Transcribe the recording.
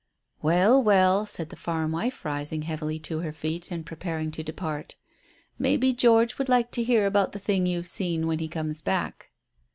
"Well, well," said the farm wife, rising heavily to her feet and preparing to depart, "maybe George would like to hear about the thing you've seen when he comes back."